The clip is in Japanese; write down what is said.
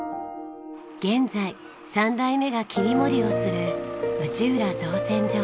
現在三代目が切り盛りをする内浦造船所。